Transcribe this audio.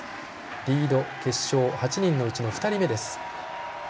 リード決勝、８人のうちの２人目。